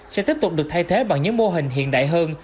sẽ tiếp tục được thay thế bằng những mô hình hiện đại hơn